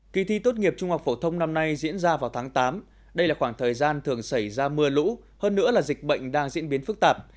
kỳ thi tốt nghiệp trung học phổ thông năm nay diễn ra vào tháng tám đây là khoảng thời gian thường xảy ra mưa lũ hơn nữa là dịch bệnh đang diễn biến phức tạp